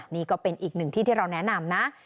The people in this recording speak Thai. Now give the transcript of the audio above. นี่ก็เป็นอีกหนึ่งที่ที่เราแนะนำนะ